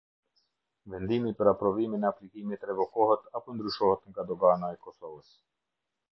Vendimi për aprovimin e aplikimit revokohet apo ndryshohet nga Dogana e Kosovës.